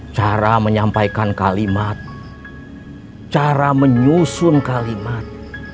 cara menyampaikan kalimat cara menyusun kalimat